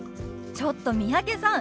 ちょっと三宅さん